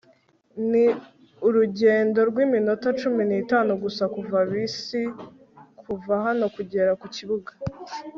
ni urugendo rw'iminota cumi n'itanu gusa kuva bisi kuva hano kugera kukibuga